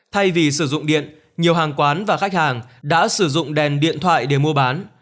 thay vì sử dụng điện nhiều hàng quán và khách hàng đã sử dụng đèn điện thoại để mua bán